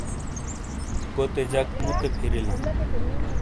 کوتے جک موتے پھری لا۔